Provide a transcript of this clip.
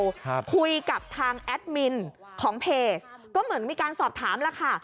ครับคุยกับทางแอดมินของเพจก็เหมือนมีการสอบถามแล้วค่ะ